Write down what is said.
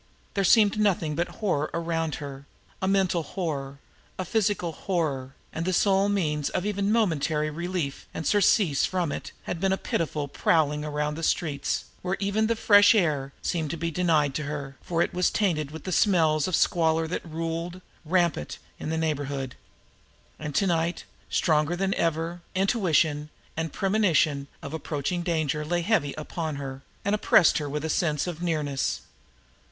There seemed nothing but horror around her, a mental horror, a physical horror; and the sole means of even momentary relief and surcease from it had been a pitiful prowling around the streets, where even the fresh air seemed to be denied to her, for it was tainted with the smells of squalor that ruled, rampant, in that neighborhood. And to night, stronger than ever, intuition and premonition of approaching danger lay heavy upon her, and oppressed her with a sense of nearness.